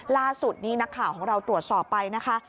ล่าสุดนี้นักข่าวของเราตรวจสอบไปนะคะ